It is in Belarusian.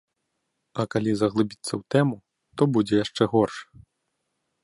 А калі заглыбіцца ў тэму, то будзе яшчэ горш.